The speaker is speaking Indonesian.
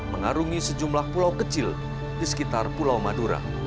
mengarungi sejumlah pulau kecil di sekitar pulau madura